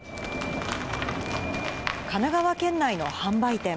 神奈川県内の販売店。